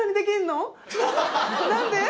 何で？